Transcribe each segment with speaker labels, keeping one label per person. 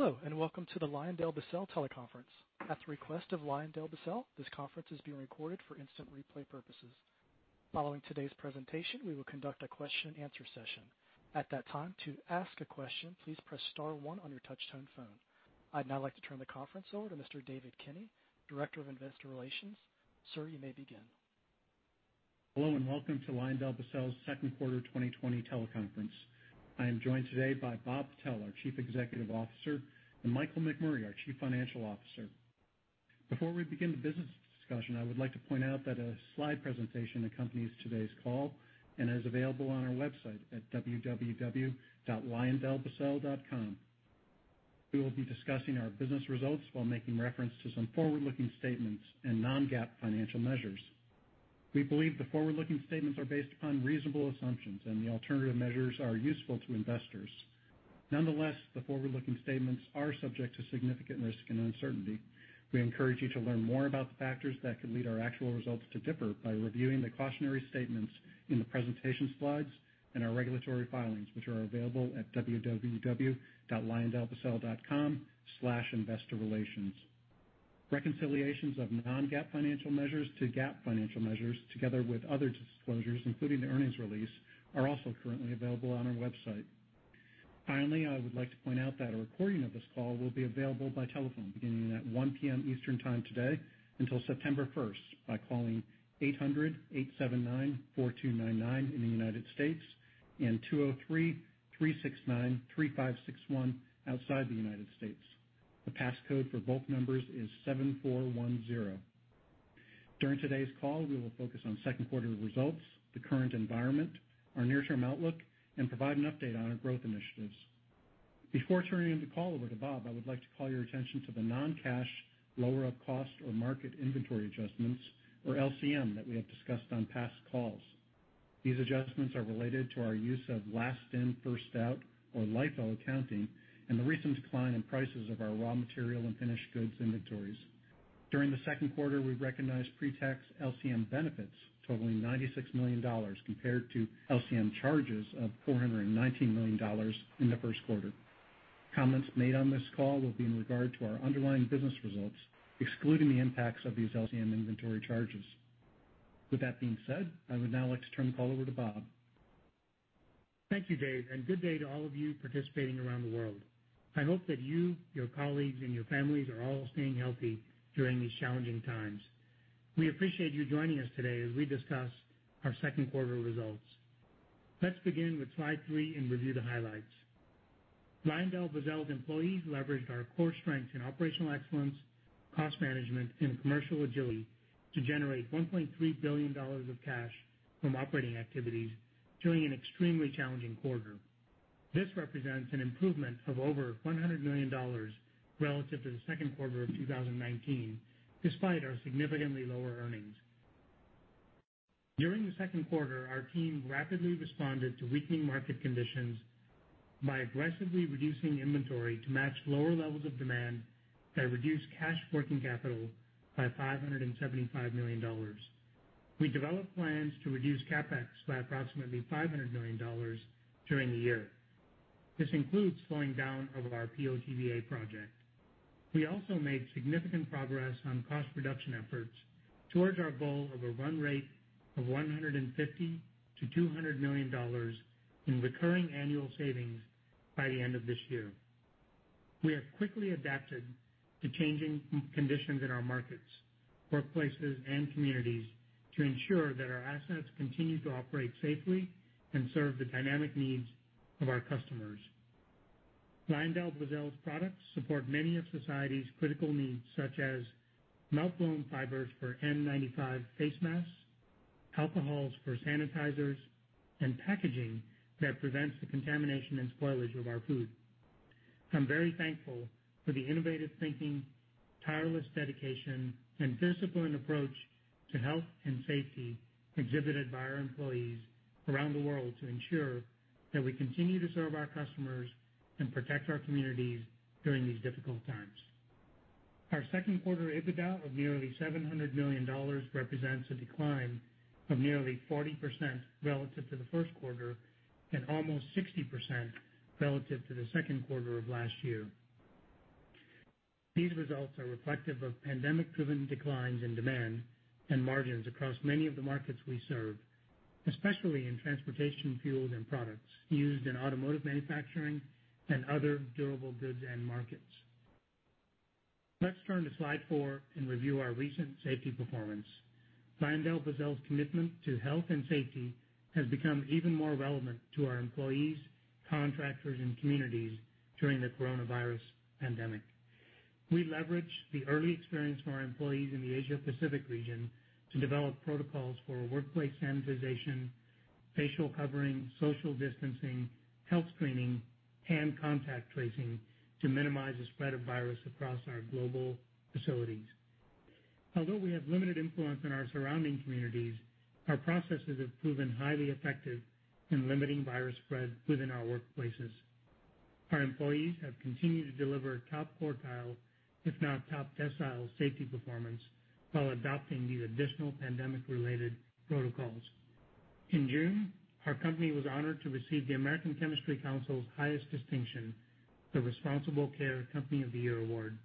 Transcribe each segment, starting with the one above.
Speaker 1: Hello, and welcome to the LyondellBasell teleconference. At the request of LyondellBasell, this conference is being recorded for instant replay purposes. Following today's presentation, we will conduct a question and answer session. At that time, to ask a question, please press star one on your touch-tone phone. I'd now like to turn the conference over to Mr. David Kinney, Director of Investor Relations. Sir, you may begin.
Speaker 2: Hello, welcome to LyondellBasell's second quarter 2020 teleconference. I am joined today by Bob Patel, our Chief Executive Officer, and Michael McMurray, our Chief Financial Officer. Before we begin the business discussion, I would like to point out that a slide presentation accompanies today's call and is available on our website at www.lyondellbasell.com. We will be discussing our business results while making reference to some forward-looking statements and non-GAAP financial measures. We believe the forward-looking statements are based upon reasonable assumptions and the alternative measures are useful to investors. Nonetheless, the forward-looking statements are subject to significant risk and uncertainty. We encourage you to learn more about the factors that could lead our actual results to differ by reviewing the cautionary statements in the presentation slides and our regulatory filings, which are available at www.lyondellbasell.com/investorrelations. Reconciliations of non-GAAP financial measures to GAAP financial measures, together with other disclosures, including the earnings release, are also currently available on our website. Finally, I would like to point out that a recording of this call will be available by telephone beginning at 1:00 P.M. Eastern Time today until September first by calling 800-879-4299 in the U.S. and 203-369-3561 outside the U.S. The passcode for both numbers is 7410. During today's call, we will focus on second quarter results, the current environment, our near-term outlook, and provide an update on our growth initiatives. Before turning the call over to Bob, I would like to call your attention to the non-cash lower of cost or market inventory adjustments, or LCM, that we have discussed on past calls. These adjustments are related to our use of last in, first out, or LIFO accounting, and the recent decline in prices of our raw material and finished goods inventories. During the second quarter, we recognized pre-tax LCM benefits totaling $96 million compared to LCM charges of $419 million in the first quarter. Comments made on this call will be in regard to our underlying business results, excluding the impacts of these LCM inventory charges. With that being said, I would now like to turn the call over to Bob.
Speaker 3: Thank you, Dave, and good day to all of you participating around the world. I hope that you, your colleagues, and your families are all staying healthy during these challenging times. We appreciate you joining us today as we discuss our second quarter results. Let's begin with slide three and review the highlights. LyondellBasell's employees leveraged our core strengths in operational excellence, cost management, and commercial agility to generate $1.3 billion of cash from operating activities during an extremely challenging quarter. This represents an improvement of over $100 million relative to the second quarter of 2019, despite our significantly lower earnings. During the second quarter, our team rapidly responded to weakening market conditions by aggressively reducing inventory to match lower levels of demand that reduced cash working capital by $575 million. We developed plans to reduce CapEx by approximately $500 million during the year. This includes slowing down of our PO/TBA project. We also made significant progress on cost reduction efforts towards our goal of a run rate of $150 million-$200 million in recurring annual savings by the end of this year. We have quickly adapted to changing conditions in our markets, workplaces, and communities to ensure that our assets continue to operate safely and serve the dynamic needs of our customers. LyondellBasell's products support many of society's critical needs, such as melt-blown fibers for N95 face masks, alcohols for sanitizers, and packaging that prevents the contamination and spoilage of our food. I'm very thankful for the innovative thinking, tireless dedication, and disciplined approach to health and safety exhibited by our employees around the world to ensure that we continue to serve our customers and protect our communities during these difficult times. Our second quarter EBITDA of nearly $700 million represents a decline of nearly 40% relative to the first quarter and almost 60% relative to the second quarter of last year. These results are reflective of pandemic-driven declines in demand and margins across many of the markets we serve, especially in transportation fuels and products used in automotive manufacturing and other durable goods end markets. Let's turn to slide four and review our recent safety performance. LyondellBasell's commitment to health and safety has become even more relevant to our employees, contractors, and communities during the coronavirus pandemic. We leveraged the early experience from our employees in the Asia-Pacific region to develop protocols for workplace sanitization, facial covering, social distancing, health screening, hand contact tracing to minimize the spread of virus across our global facilities. Although we have limited influence in our surrounding communities, our processes have proven highly effective in limiting virus spread within our workplaces. Our employees have continued to deliver top quartile, if not top decile, safety performance while adopting these additional pandemic-related protocols. In June, our company was honored to receive the American Chemistry Council's highest distinction, the Responsible Care Company of the Year award.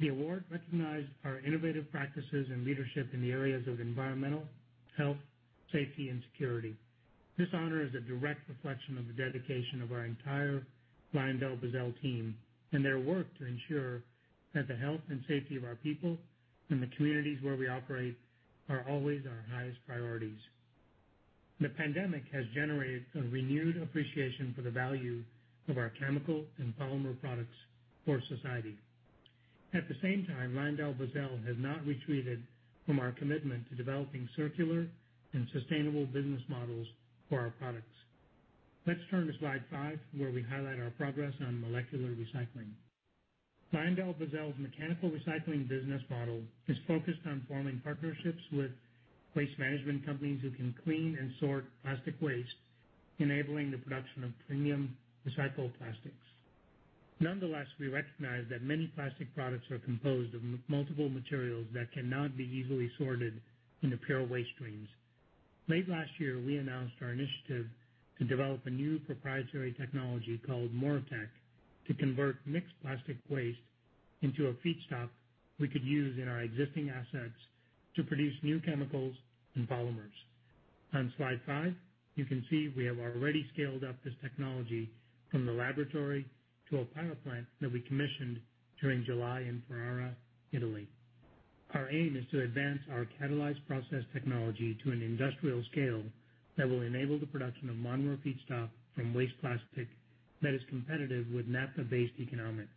Speaker 3: The award recognized our innovative practices and leadership in the areas of environmental health, safety, and security. This honor is a direct reflection of the dedication of our entire LyondellBasell team and their work to ensure that the health and safety of our people and the communities where we operate are always our highest priorities. The pandemic has generated a renewed appreciation for the value of our chemical and polymer products for society. At the same time, LyondellBasell has not retreated from our commitment to developing circular and sustainable business models for our products. Let's turn to slide five, where we highlight our progress on molecular recycling. LyondellBasell's mechanical recycling business model is focused on forming partnerships with waste management companies who can clean and sort plastic waste, enabling the production of premium recycled plastics. Nonetheless, we recognize that many plastic products are composed of multiple materials that cannot be easily sorted into pure waste streams. Late last year, we announced our initiative to develop a new proprietary technology called MoReTec to convert mixed plastic waste into a feedstock we could use in our existing assets to produce new chemicals and polymers. On slide five, you can see we have already scaled up this technology from the laboratory to a pilot plant that we commissioned during July in Ferrara, Italy. Our aim is to advance our catalyzed process technology to an industrial scale that will enable the production of monomer feedstock from waste plastic that is competitive with naphtha-based economics.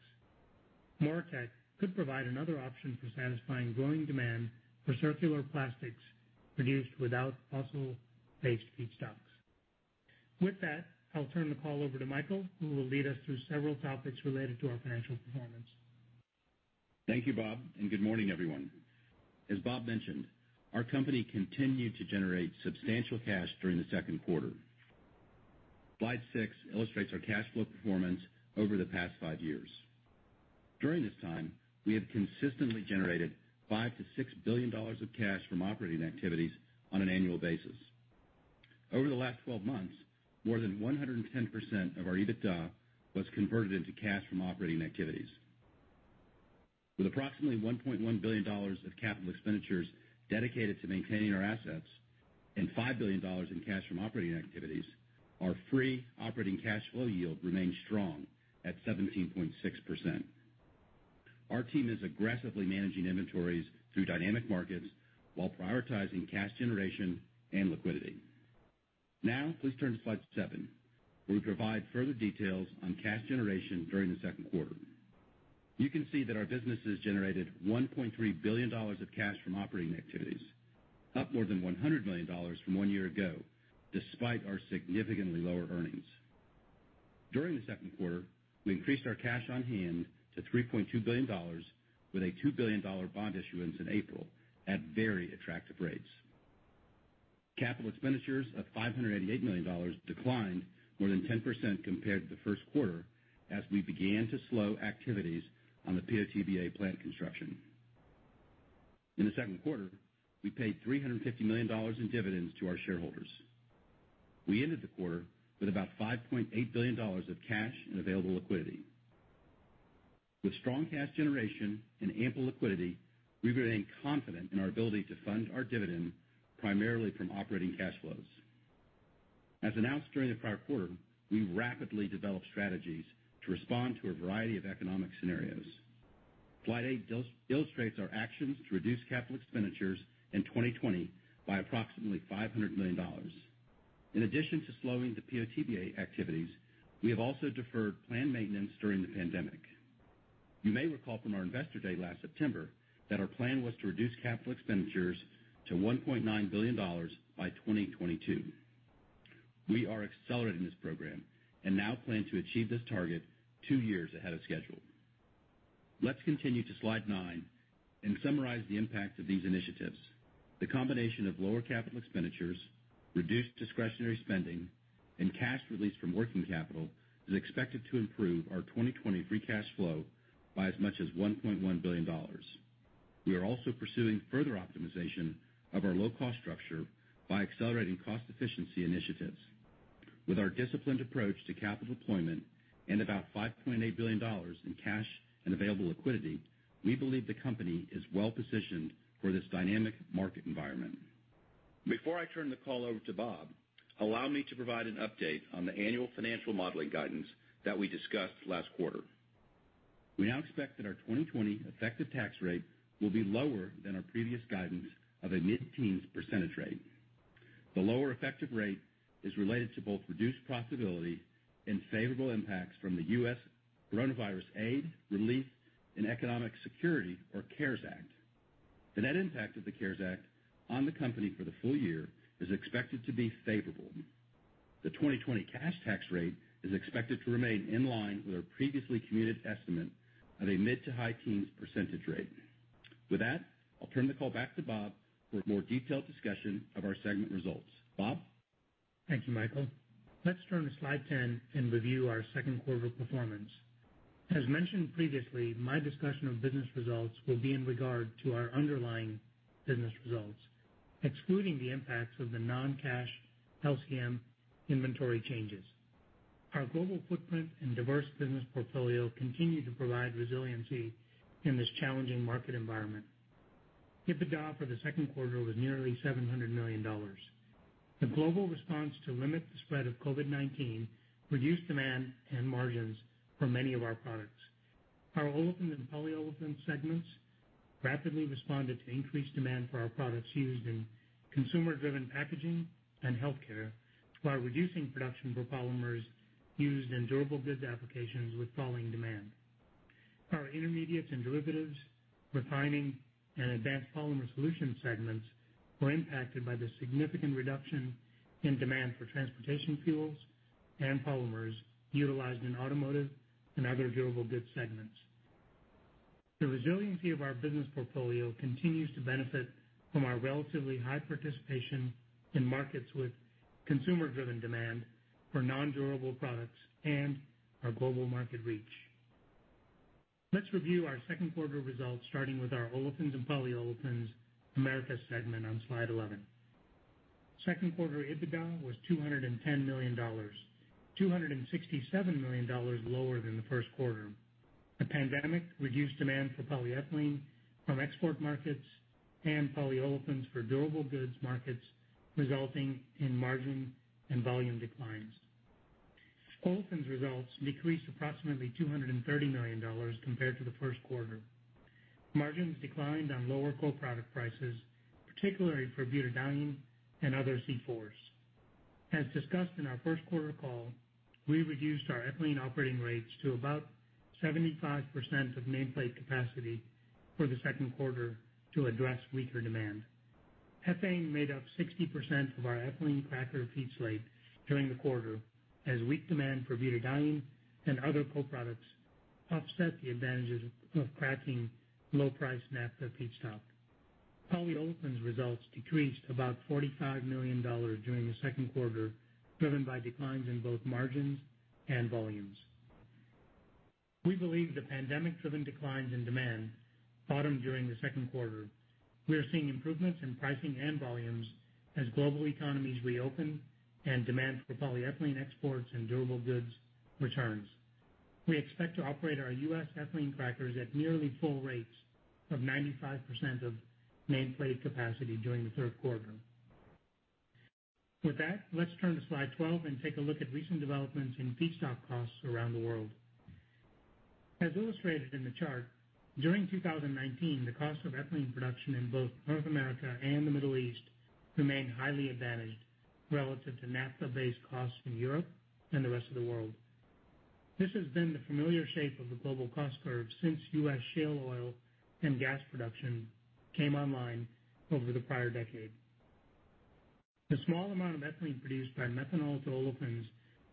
Speaker 3: MoReTec could provide another option for satisfying growing demand for circular plastics produced without fossil-based feedstocks. With that, I'll turn the call over to Michael, who will lead us through several topics related to our financial performance.
Speaker 4: Thank you, Bob, good morning, everyone. As Bob mentioned, our company continued to generate substantial cash during the second quarter. Slide six illustrates our cash flow performance over the past five years. During this time, we have consistently generated $5 billion-$6 billion of cash from operating activities on an annual basis. Over the last 12 months, more than 110% of our EBITDA was converted into cash from operating activities. With approximately $1.1 billion of capital expenditures dedicated to maintaining our assets and $5 billion in cash from operating activities, our free operating cash flow yield remains strong at 17.6%. Our team is aggressively managing inventories through dynamic markets while prioritizing cash generation and liquidity. Please turn to slide seven, where we provide further details on cash generation during the second quarter. You can see that our businesses generated $1.3 billion of cash from operating activities, up more than $100 million from one year ago, despite our significantly lower earnings. During the second quarter, we increased our cash on hand to $3.2 billion, with a $2 billion bond issuance in April at very attractive rates. CapEx of $588 million declined more than 10% compared to the first quarter as we began to slow activities on the PO/TBA plant construction. In the second quarter, we paid $350 million in dividends to our shareholders. We ended the quarter with about $5.8 billion of cash and available liquidity. With strong cash generation and ample liquidity, we remain confident in our ability to fund our dividend primarily from operating cash flows. As announced during the prior quarter, we rapidly developed strategies to respond to a variety of economic scenarios. Slide eight illustrates our actions to reduce capital expenditures in 2020 by approximately $500 million. In addition to slowing the PO/TBA activities, we have also deferred planned maintenance during the pandemic. You may recall from our investor day last September that our plan was to reduce capital expenditures to $1.9 billion by 2022. We are accelerating this program and now plan to achieve this target two years ahead of schedule. Let's continue to slide nine and summarize the impact of these initiatives. The combination of lower capital expenditures, reduced discretionary spending, and cash released from working capital is expected to improve our 2020 free cash flow by as much as $1.1 billion. We are also pursuing further optimization of our low-cost structure by accelerating cost efficiency initiatives. With our disciplined approach to capital deployment and about $5.8 billion in cash and available liquidity, we believe the company is well-positioned for this dynamic market environment. Before I turn the call over to Bob, allow me to provide an update on the annual financial modeling guidance that we discussed last quarter. We now expect that our 2020 effective tax rate will be lower than our previous guidance of a mid-teens percentage rate. The lower effective rate is related to both reduced profitability and favorable impacts from the U.S. Coronavirus Aid, Relief, and Economic Security or CARES Act. The net impact of the CARES Act on the company for the full year is expected to be favorable. The 2020 cash tax rate is expected to remain in line with our previously communicated estimate of a mid to high teens percentage rate. With that, I'll turn the call back to Bob for a more detailed discussion of our segment results. Bob?
Speaker 3: Thank you, Michael. Let's turn to slide 10 and review our second quarter performance. As mentioned previously, my discussion of business results will be in regard to our underlying business results, excluding the impacts of the non-cash LCM inventory changes. Our global footprint and diverse business portfolio continue to provide resiliency in this challenging market environment. EBITDA for the second quarter was nearly $700 million. The global response to limit the spread of COVID-19 reduced demand and margins for many of our products. Our Olefins and Polyolefins segments rapidly responded to increased demand for our products used in consumer-driven packaging and healthcare while reducing production for polymers used in durable goods applications with falling demand. Our Intermediates and Derivatives, Refining, and Advanced Polymer Solutions segments were impacted by the significant reduction in demand for transportation fuels and polymers utilized in automotive and other durable goods segments. The resiliency of our business portfolio continues to benefit from our relatively high participation in markets with consumer-driven demand for non-durable products and our global market reach. Let's review our second quarter results, starting with our Olefins and Polyolefins-Americas segment on slide 11. Second quarter EBITDA was $210 million, $267 million lower than the first quarter. The pandemic reduced demand for polyethylene from export markets and polyolefins for durable goods markets, resulting in margin and volume declines. Olefins results decreased approximately $230 million compared to the first quarter. Margins declined on lower co-product prices, particularly for butadiene and other C4s. As discussed in our first quarter call, we reduced our ethylene operating rates to about 75% of nameplate capacity for the second quarter to address weaker demand. Ethane made up 60% of our ethylene cracker feed slate during the quarter as weak demand for butadiene and other co-products offset the advantages of cracking low price naphtha feedstock. Polyolefins results decreased about $45 million during the second quarter, driven by declines in both margins and volumes. We believe the pandemic-driven declines in demand bottomed during the second quarter. We are seeing improvements in pricing and volumes as global economies reopen and demand for polyethylene exports and durable goods returns. We expect to operate our U.S. ethylene crackers at nearly full rates of 95% of nameplate capacity during the third quarter. With that, let's turn to slide 12 and take a look at recent developments in feedstock costs around the world. As illustrated in the chart, during 2019, the cost of ethylene production in both North America and the Middle East remained highly advantaged relative to naphtha-based costs in Europe and the rest of the world. This has been the familiar shape of the global cost curve since U.S. shale oil and gas production came online over the prior decade. The small amount of ethylene produced by methanol to olefins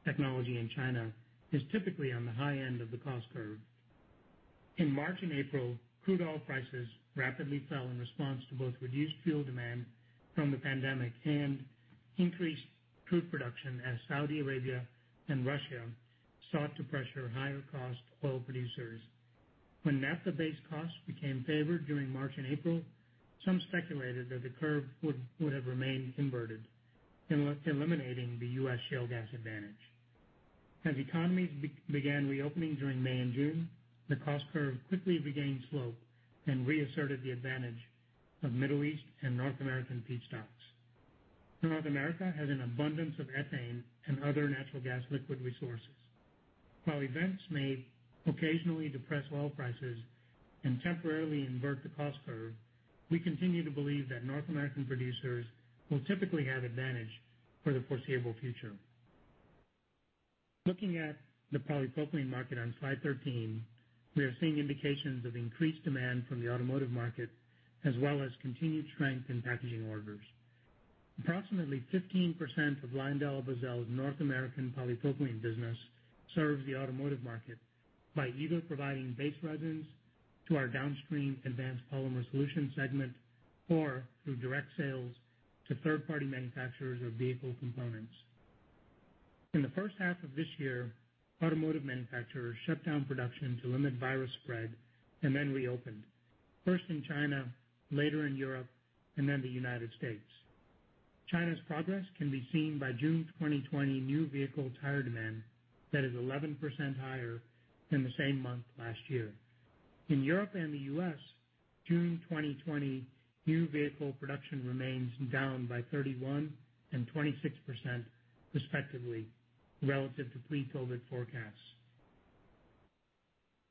Speaker 3: technology in China is typically on the high end of the cost curve. In March and April, crude oil prices rapidly fell in response to both reduced fuel demand from the pandemic and increased crude production as Saudi Arabia and Russia sought to pressure higher cost oil producers. When naphtha-based costs became favored during March and April, some speculated that the curve would have remained inverted, eliminating the U.S. shale gas advantage. As economies began reopening during May and June, the cost curve quickly regained slope and reasserted the advantage of Middle East and North American feedstocks. North America has an abundance of ethane and other natural gas liquid resources. While events may occasionally depress oil prices and temporarily invert the cost curve, we continue to believe that North American producers will typically have advantage for the foreseeable future. Looking at the polypropylene market on slide 13, we are seeing indications of increased demand from the automotive market, as well as continued strength in packaging orders. Approximately 15% of LyondellBasell's North American polypropylene business serves the automotive market by either providing base resins to our downstream Advanced Polymer Solutions segment or through direct sales to third-party manufacturers of vehicle components. In the first half of this year, automotive manufacturers shut down production to limit virus spread and then reopened, first in China, later in Europe, and then the United States. China's progress can be seen by June 2020 new vehicle tire demand that is 11% higher than the same month last year. In Europe and the U.S., June 2020 new vehicle production remains down by 31% and 26%, respectively, relative to pre-COVID-19 forecasts.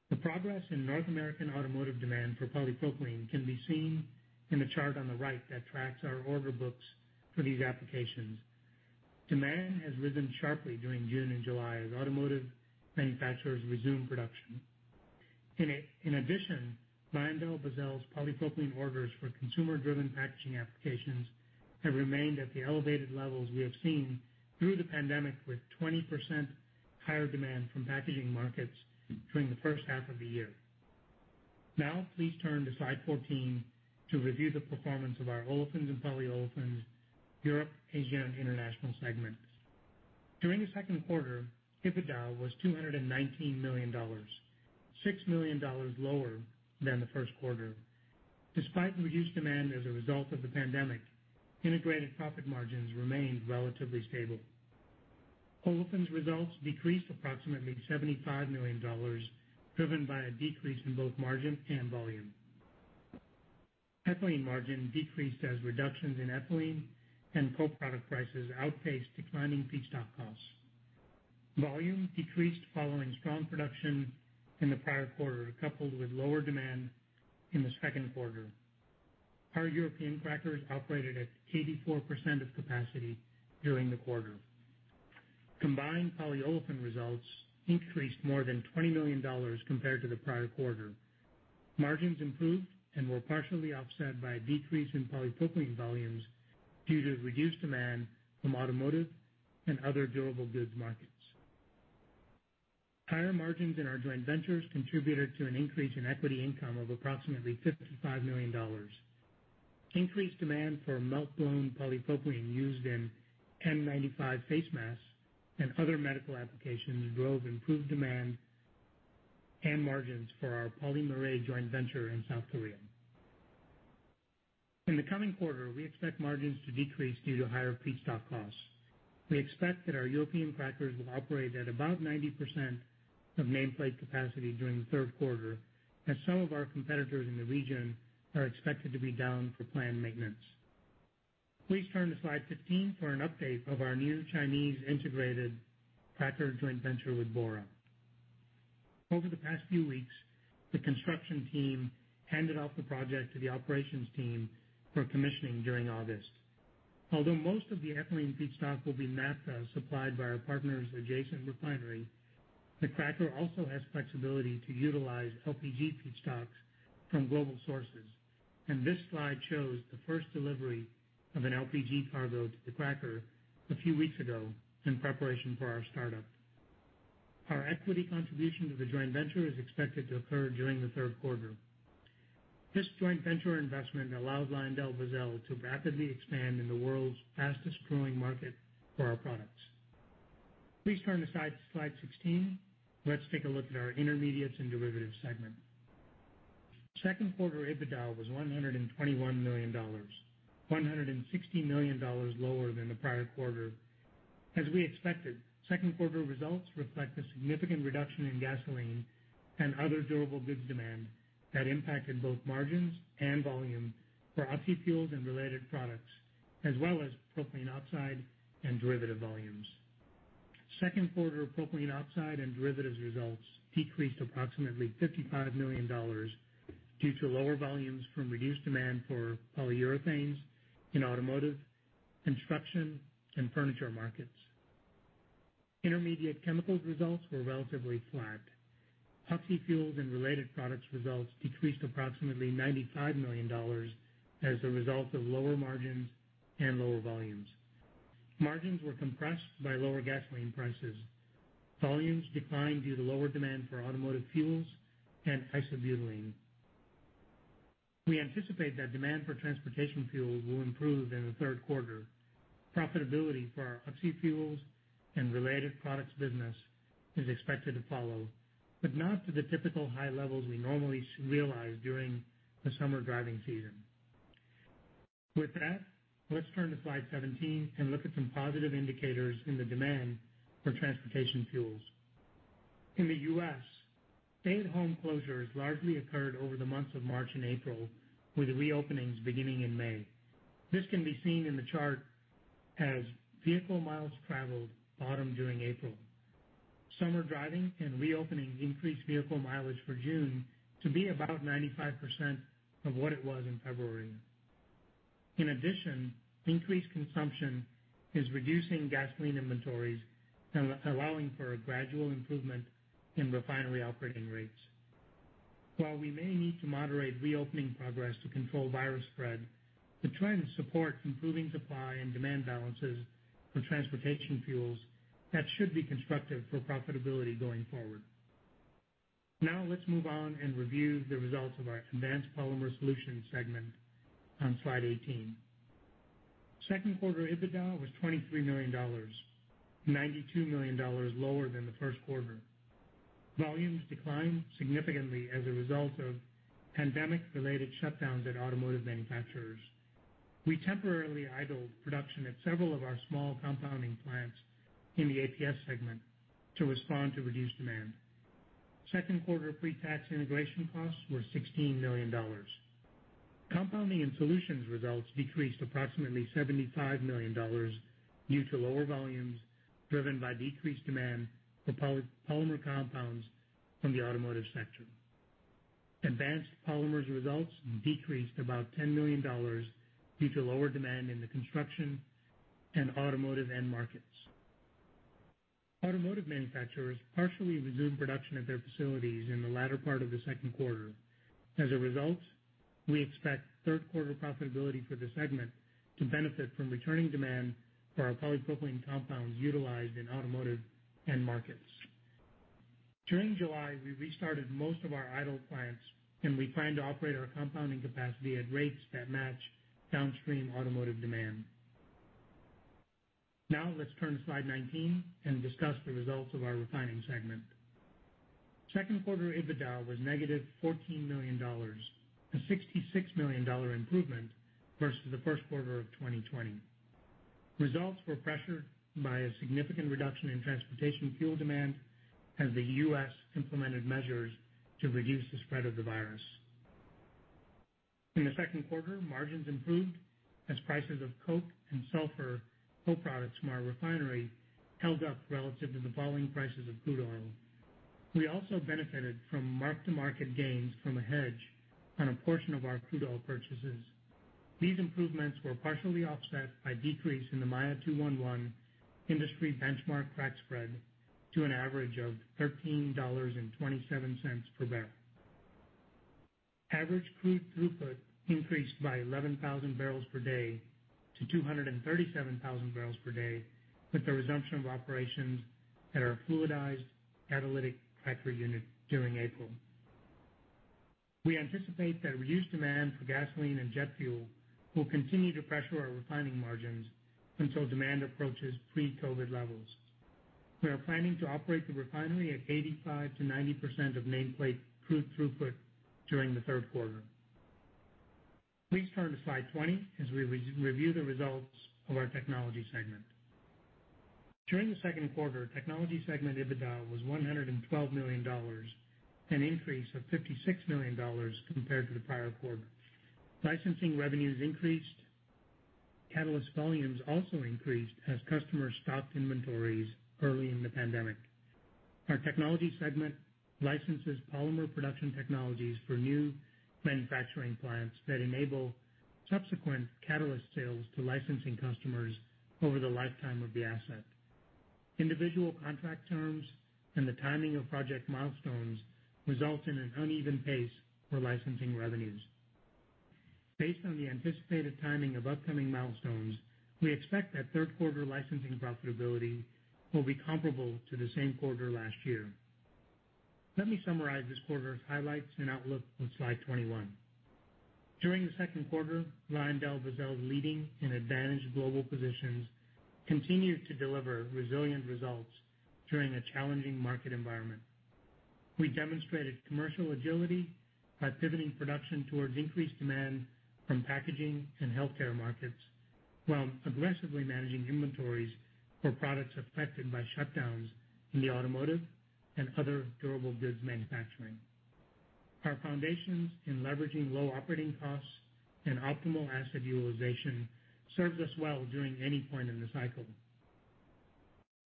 Speaker 3: The progress in North American automotive demand for polypropylene can be seen in the chart on the right that tracks our order books for these applications. Demand has risen sharply during June and July as automotive manufacturers resume production. In addition, LyondellBasell's polypropylene orders for consumer-driven packaging applications have remained at the elevated levels we have seen through the pandemic, with 20% higher demand from packaging markets during the first half of the year. Please turn to slide 14 to review the performance of our Olefins and Polyolefins—Europe, Asia, International segments. During the second quarter, EBITDA was $219 million, $6 million lower than the first quarter. Despite reduced demand as a result of the pandemic, integrated profit margins remained relatively stable. Olefins results decreased approximately $75 million, driven by a decrease in both margin and volume. Ethylene margin decreased as reductions in ethylene and co-product prices outpaced declining feedstock costs. Volume decreased following strong production in the prior quarter, coupled with lower demand in the second quarter. Our European crackers operated at 84% of capacity during the quarter. Combined polyolefin results increased more than $20 million compared to the prior quarter. Margins improved and were partially offset by a decrease in polypropylene volumes due to reduced demand from automotive and other durable goods markets. Higher margins in our joint ventures contributed to an increase in equity income of approximately $55 million. Increased demand for melt-blown polypropylene used in N95 face masks and other medical applications drove improved demand and margins for our PolyMirae joint venture in South Korea. In the coming quarter, we expect margins to decrease due to higher feedstock costs. We expect that our European crackers will operate at about 90% of nameplate capacity during the third quarter, as some of our competitors in the region are expected to be down for planned maintenance. Please turn to slide 15 for an update of our new Chinese integrated cracker joint venture with Bora. Over the past few weeks, the construction team handed off the project to the operations team for commissioning during August. Although most of the ethylene feedstock will be naphtha supplied by our partner's adjacent refinery, the cracker also has flexibility to utilize LPG feedstocks from global sources. This slide shows the first delivery of an LPG cargo to the cracker a few weeks ago in preparation for our startup. Our equity contribution to the joint venture is expected to occur during the third quarter. This joint venture investment allows LyondellBasell to rapidly expand in the world's fastest-growing market for our products. Please turn to slide 16. Let's take a look at our Intermediates and Derivatives segment. Second quarter EBITDA was $121 million, $160 million lower than the prior quarter. As we expected, second quarter results reflect a significant reduction in gasoline and other durable goods demand that impacted both margins and volume for oxyfuels and related products, as well as Propylene Oxide and derivative volumes. Second quarter Propylene Oxide and derivatives results decreased approximately $55 million due to lower volumes from reduced demand for polyurethanes in automotive, construction, and furniture markets. Intermediate chemicals results were relatively flat. Oxyfuels and related products results decreased approximately $95 million as a result of lower margins and lower volumes. Margins were compressed by lower gasoline prices. Volumes declined due to lower demand for automotive fuels and isobutylene. We anticipate that demand for transportation fuels will improve in the third quarter. Profitability for our oxyfuels and related products business is expected to follow, but not to the typical high levels we normally realize during the summer driving season. With that, let's turn to slide 17 and look at some positive indicators in the demand for transportation fuels. In the U.S., stay-at-home closures largely occurred over the months of March and April, with reopenings beginning in May. This can be seen in the chart as vehicle miles traveled bottom during April. Summer driving and reopening increased vehicle mileage for June to be about 95% of what it was in February. Increased consumption is reducing gasoline inventories and allowing for a gradual improvement in refinery operating rates. While we may need to moderate reopening progress to control virus spread, the trend support improving supply and demand balances for transportation fuels that should be constructive for profitability going forward. Let's move on and review the results of our Advanced Polymer Solutions segment on slide 18. Second quarter EBITDA was $23 million, $92 million lower than the first quarter. Volumes declined significantly as a result of pandemic-related shutdowns at automotive manufacturers. We temporarily idled production at several of our small compounding plants in the APS segment to respond to reduced demand. Second quarter pre-tax integration costs were $16 million. Compounding and Solutions results decreased approximately $75 million due to lower volumes driven by decreased demand for polymer compounds from the automotive sector. Advanced Polymers results decreased about $10 million due to lower demand in the construction and automotive end markets. Automotive manufacturers partially resumed production at their facilities in the latter part of the second quarter. As a result, we expect third quarter profitability for the segment to benefit from returning demand for our polypropylene compounds utilized in automotive end markets. During July, we restarted most of our idle plants, and we plan to operate our compounding capacity at rates that match downstream automotive demand. Now let's turn to slide 19 and discuss the results of our refining segment. Second quarter EBITDA was negative $14 million, a $66 million improvement versus the first quarter of 2020. Results were pressured by a significant reduction in transportation fuel demand as the U.S. implemented measures to reduce the spread of the virus. In the second quarter, margins improved as prices of coke and sulfur co-products from our refinery held up relative to the falling prices of crude oil. We also benefited from mark-to-market gains from a hedge on a portion of our crude oil purchases. These improvements were partially offset by decrease in the Maya 2-1-1 industry benchmark crack spread to an average of $13.27 per barrel. Average crude throughput increased by 11,000 barrels per day to 237,000 barrels per day with the resumption of operations at our fluidized catalytic cracker unit during April. We anticipate that reduced demand for gasoline and jet fuel will continue to pressure our refining margins until demand approaches pre-COVID levels. We are planning to operate the refinery at 85%-90% of nameplate crude throughput during the third quarter. Please turn to slide 20 as we review the results of our technology segment. During the second quarter, technology segment EBITDA was $112 million, an increase of $56 million compared to the prior quarter. Licensing revenues increased. Catalyst volumes also increased as customers stocked inventories early in the pandemic. Our technology segment licenses polymer production technologies for new manufacturing plants that enable subsequent catalyst sales to licensing customers over the lifetime of the asset. Individual contract terms and the timing of project milestones result in an uneven pace for licensing revenues. Based on the anticipated timing of upcoming milestones, we expect that third quarter licensing profitability will be comparable to the same quarter last year. Let me summarize this quarter's highlights and outlook on slide 21. During the second quarter, LyondellBasell's leading and advantaged global positions continued to deliver resilient results during a challenging market environment. We demonstrated commercial agility by pivoting production towards increased demand from packaging and healthcare markets, while aggressively managing inventories for products affected by shutdowns in the automotive and other durable goods manufacturing. Our foundations in leveraging low operating costs and optimal asset utilization serves us well during any point in the cycle.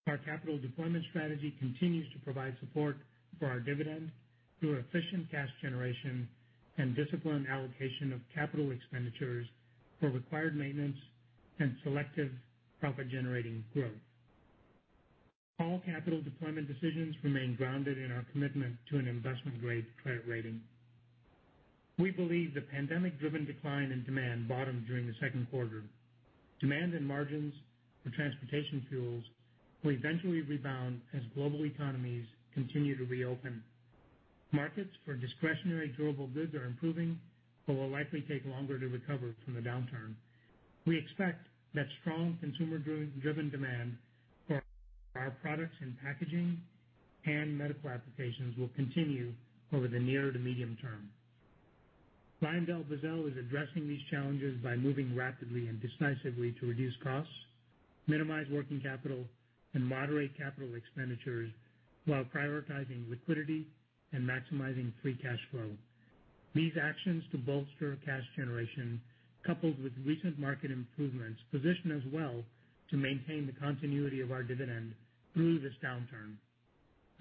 Speaker 3: Our capital deployment strategy continues to provide support for our dividend through efficient cash generation and disciplined allocation of capital expenditures for required maintenance and selective profit-generating growth. All capital deployment decisions remain grounded in our commitment to an investment-grade credit rating. We believe the pandemic-driven decline in demand bottomed during the second quarter. Demand and margins for transportation fuels will eventually rebound as global economies continue to reopen. Markets for discretionary durable goods are improving but will likely take longer to recover from the downturn. We expect that strong consumer-driven demand for our products in packaging and medical applications will continue over the near to medium term. LyondellBasell is addressing these challenges by moving rapidly and decisively to reduce costs, minimize working capital, and moderate capital expenditures while prioritizing liquidity and maximizing free cash flow. These actions to bolster cash generation, coupled with recent market improvements, position us well to maintain the continuity of our dividend through this downturn.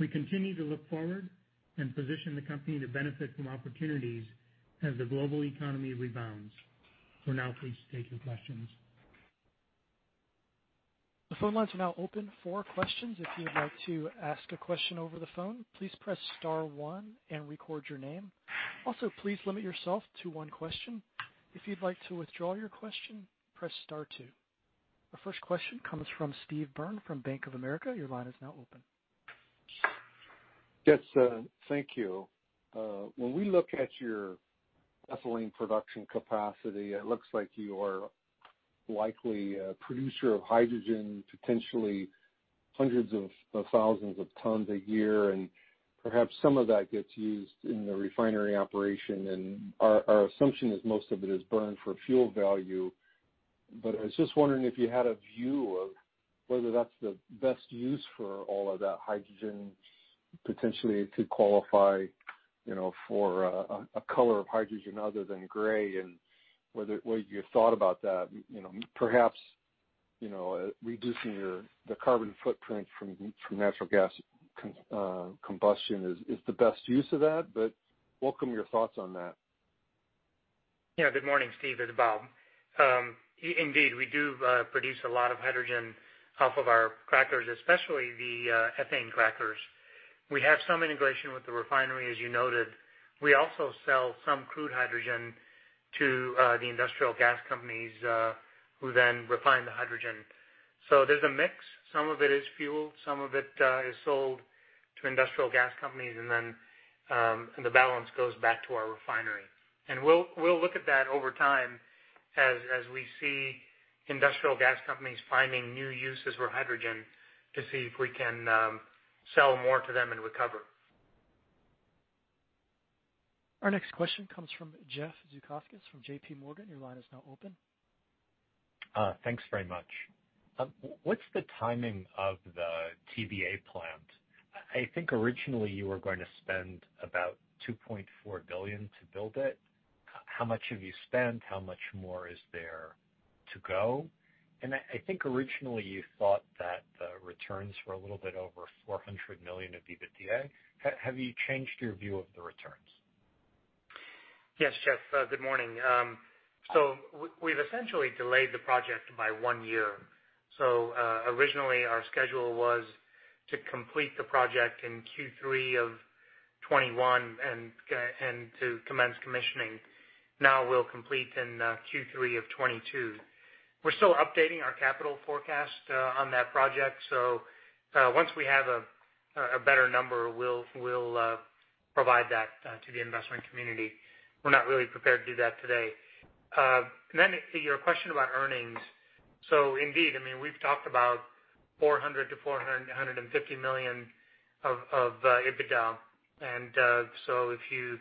Speaker 3: We continue to look forward and position the company to benefit from opportunities as the global economy rebounds. For now, please state your questions.
Speaker 1: The phone lines are now open for questions. If you would like to ask a question over the phone, please press star one and record your name. Also, please limit yourself to one question. If you'd like to withdraw your question, press star two. The first question comes from Steve Byrne from Bank of America. Your line is now open.
Speaker 5: Yes. Thank you. When we look at your ethylene production capacity, it looks like you are likely a producer of hydrogen, potentially hundreds of thousands of tons a year, and perhaps some of that gets used in the refinery operation. Our assumption is most of it is burned for fuel value. I was just wondering if you had a view of whether that's the best use for all of that hydrogen potentially to qualify for a color of hydrogen other than gray, and whether you've thought about that. Perhaps, reducing your carbon footprint from natural gas combustion is the best use of that, welcome your thoughts on that.
Speaker 3: Yeah. Good morning, Steve. It's Bob. Indeed, we do produce a lot of hydrogen off of our crackers, especially the ethane crackers. We have some integration with the refinery, as you noted. We also sell some crude hydrogen to the industrial gas companies, who then refine the hydrogen. There's a mix. Some of it is fuel, some of it is sold to industrial gas companies, the balance goes back to our refinery. We'll look at that over time as we see industrial gas companies finding new uses for hydrogen to see if we can sell more to them and recover.
Speaker 1: Our next question comes from Jeff Zekauskas from JPMorgan. Your line is now open.
Speaker 6: Thanks very much. What's the timing of the TBA plant? I think originally you were going to spend about $2.4 billion to build it. How much have you spent? How much more is there to go? I think originally you thought that the returns were a little bit over $400 million of EBITDA. Have you changed your view of the returns?
Speaker 3: Yes, Jeff. Good morning. We've essentially delayed the project by one year. Originally, our schedule was to complete the project in Q3 of 2021 and to commence commissioning. Now we'll complete in Q3 of 2022. We're still updating our capital forecast on that project. Once we have a better number, we'll provide that to the investment community. We're not really prepared to do that today. To your question about earnings. Indeed, we've talked about $400 million-$450 million of EBITDA. If you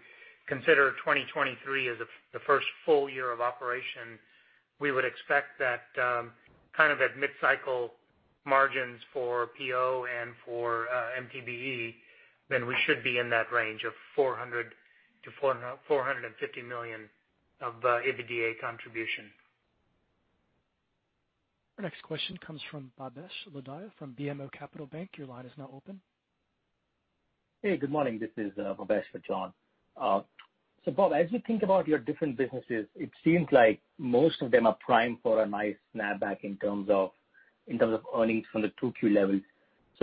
Speaker 3: consider 2023 as the first full year of operation, we would expect that kind of at mid-cycle margins for PO and for MTBE, then we should be in that range of $400 million-$450 million of EBITDA contribution.
Speaker 1: Our next question comes from Bhavesh Lodaya from BMO Capital Markets. Your line is now open.
Speaker 7: Hey, good morning. This is Bhavesh for John. Bob, as you think about your different businesses, it seems like most of them are primed for a nice snapback in terms of earnings from the Q2 levels.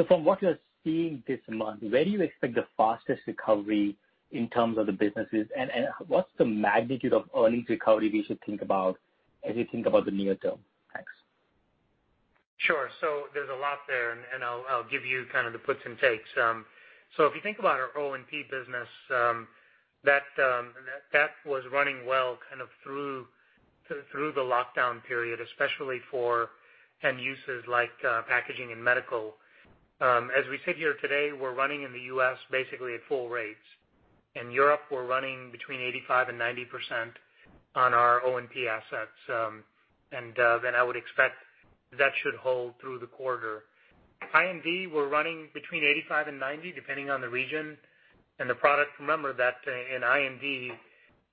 Speaker 7: From what you're seeing this month, where do you expect the fastest recovery in terms of the businesses, and what's the magnitude of earnings recovery we should think about as you think about the near term? Thanks.
Speaker 3: Sure. There's a lot there, and I'll give you kind of the puts and takes. If you think about our O&P business, that was running well kind of through the lockdown period, especially for end uses like packaging and medical. As we sit here today, we're running in the U.S. basically at full rates. In Europe, we're running between 85% and 90% on our O&P assets. I would expect that should hold through the quarter. I&D, we're running between 85% and 90%, depending on the region and the product. Remember that in I&D,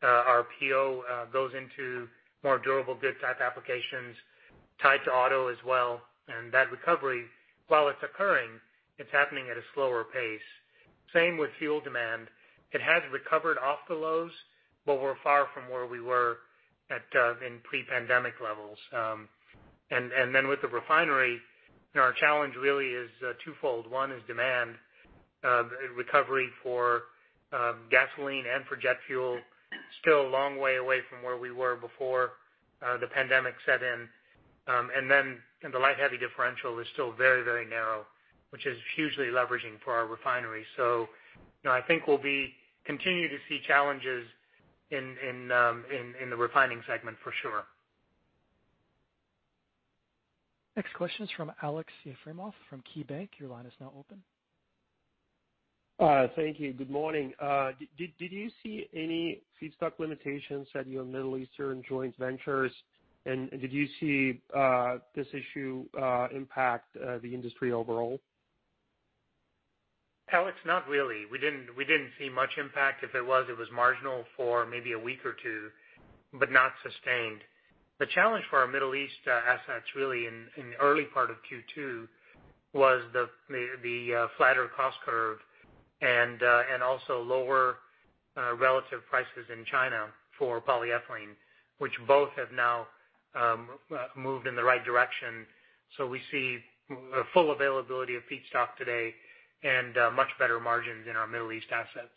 Speaker 3: our PO goes into more durable goods type applications tied to auto as well. That recovery, while it's occurring, it's happening at a slower pace. Same with fuel demand. It has recovered off the lows, but we're far from where we were in pre-pandemic levels. With the refinery, our challenge really is twofold. One is demand. Recovery for gasoline and for jet fuel, still a long way away from where we were before the pandemic set in. The light heavy differential is still very narrow, which is hugely leveraging for our refinery. I think we'll continue to see challenges in the refining segment for sure.
Speaker 1: Next question is from Aleksey Yefremov from KeyBanc. Your line is now open.
Speaker 8: Thank you. Good morning. Did you see any feedstock limitations at your Middle Eastern joint ventures? Did you see this issue impact the industry overall?
Speaker 3: Aleksey, not really. We didn't see much impact. If it was, it was marginal for maybe a week or two, but not sustained. The challenge for our Middle East assets really in the early part of Q2 was the flatter cost curve and also lower relative prices in China for polyethylene, which both have now moved in the right direction. We see full availability of feedstock today and much better margins in our Middle East assets.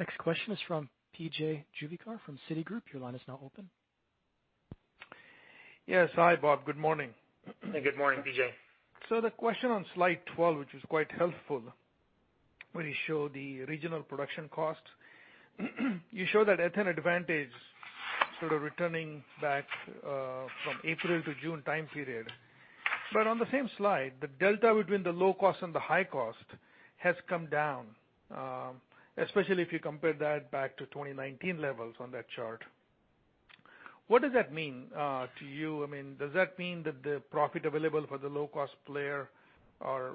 Speaker 1: Next question is from P.J. Juvekar from Citigroup. Your line is now open.
Speaker 9: Yes. Hi, Bob. Good morning.
Speaker 3: Good morning, P.J.
Speaker 9: The question on slide 12, which is quite helpful, where you show the regional production costs. You show that at an advantage, sort of returning back from April to June time period. On the same slide, the delta between the low cost and the high cost has come down, especially if you compare that back to 2019 levels on that chart. What does that mean to you? Does that mean that the profit available for the low-cost player are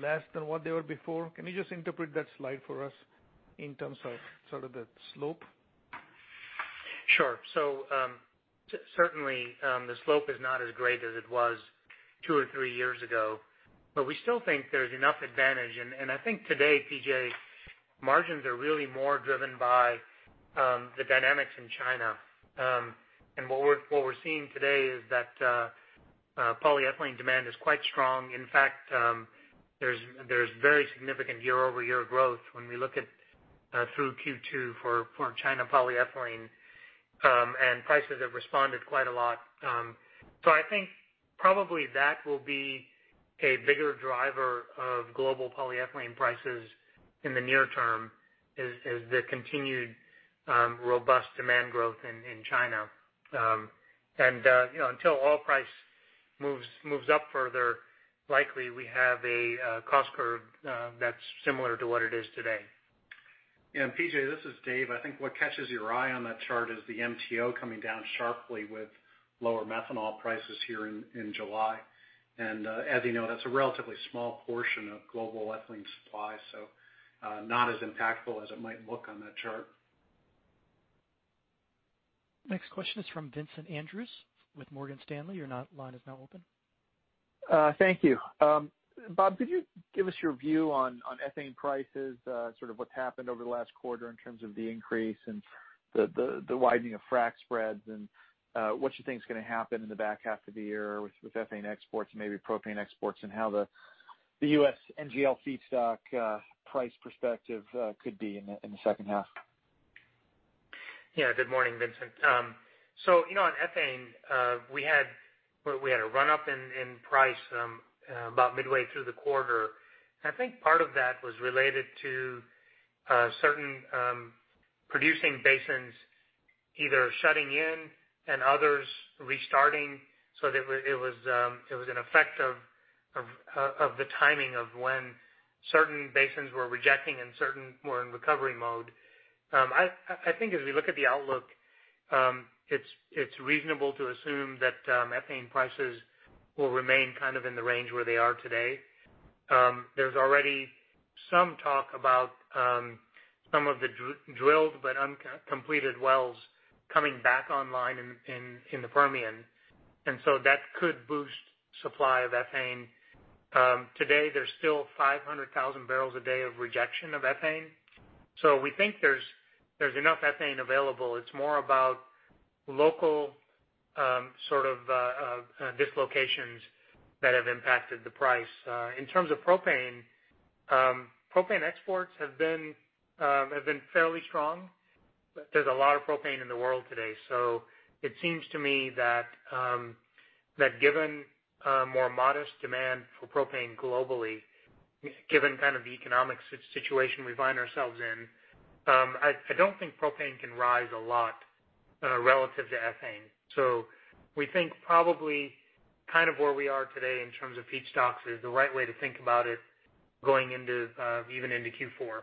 Speaker 9: less than what they were before? Can you just interpret that slide for us in terms of sort of the slope?
Speaker 3: Sure. Certainly, the slope is not as great as it was two or three years ago. We still think there's enough advantage. I think today, P.J., margins are really more driven by the dynamics in China. What we're seeing today is that polyethylene demand is quite strong. In fact, there's very significant year-over-year growth when we look at through Q2 for China polyethylene, and prices have responded quite a lot. I think probably that will be a bigger driver of global polyethylene prices in the near term, is the continued robust demand growth in China. Until oil price moves up further, likely we have a cost curve that's similar to what it is today.
Speaker 2: P.J., this is David. I think what catches your eye on that chart is the MTO coming down sharply with lower methanol prices here in July. As you know, that's a relatively small portion of global ethylene supply, so not as impactful as it might look on that chart.
Speaker 1: Next question is from Vincent Andrews with Morgan Stanley. Your line is now open.
Speaker 10: Thank you. Bob, could you give us your view on ethane prices, sort of what's happened over the last quarter in terms of the increase and the widening of frac spreads, and what you think is going to happen in the back half of the year with ethane exports and maybe propane exports, and how the U.S. NGL feedstock price perspective could be in the second half?
Speaker 3: Yeah. Good morning, Vincent. On ethane, we had a run-up in price about midway through the quarter. I think part of that was related to certain producing basins either shutting in and others restarting, so it was an effect of the timing of when certain basins were rejecting and certain were in recovery mode. I think as we look at the outlook, it's reasonable to assume that ethane prices will remain kind of in the range where they are today. There's already some talk about some of the drilled but uncompleted wells coming back online in the Permian. That could boost supply of ethane. Today, there's still 500,000 barrels a day of rejection of ethane. We think there's enough ethane available. It's more about local dislocations that have impacted the price. In terms of propane exports have been fairly strong. There's a lot of propane in the world today. It seems to me that given a more modest demand for propane globally, given kind of the economic situation we find ourselves in, I don't think propane can rise a lot relative to ethane. We think probably kind of where we are today in terms of feedstocks is the right way to think about it going even into Q4.